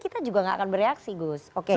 kita juga gak akan bereaksi gus